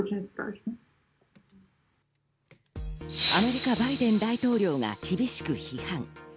アメリカ、バイデン大統領が厳しく批判。